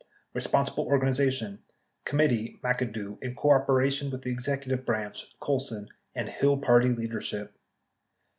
Responsible organization. — Committee (McAdoo) in coor dination with the Executive Branch (Colson) and Hill party leadership.